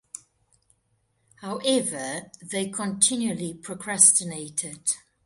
However, they continually procrastinated.